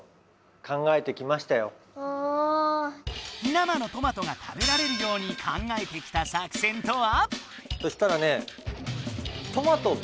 生のトマトが食べられるように考えてきた作戦とは？